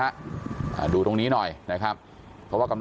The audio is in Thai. ความปลอดภัยของนายอภิรักษ์และครอบครัวด้วยซ้ำ